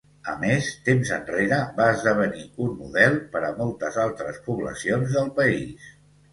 A més, temps enrere va esdevenir un model per a moltes altres poblacions del país.